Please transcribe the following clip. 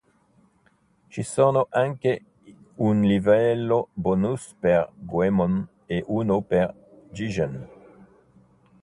Ci sono anche un livello bonus per Goemon e uno per Jigen.